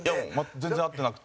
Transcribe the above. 兎：全然会ってなくて。